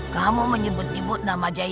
kamu menyebut ibu nama jayadi